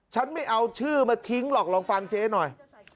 ฉันไม่เอาชื่อมาทิ้งหรอกลองฟังเจ๊หน่อย